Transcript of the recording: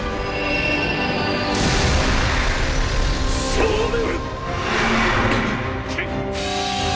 勝負！